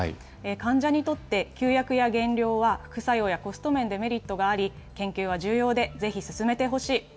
患者にとって、休薬や減量は副作用やコスト面でメリットがあり、研究は重要で、ぜひ進めてほしい。